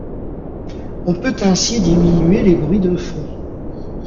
On peut ainsi diminuer les bruits de fond.